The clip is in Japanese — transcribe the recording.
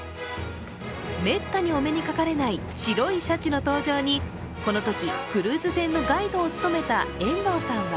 めったにお目にかかれない白いシャチの登場に、このときクルーズ船のガイドを務めた遠藤さんは